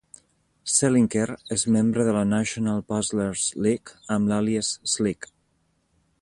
Selinker és membre de la National Puzzlers League amb l'àlies "Slik".